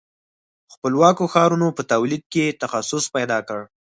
خپلواکو ښارونو په تولید کې تخصص پیدا کړ.